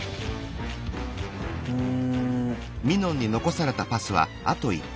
うん。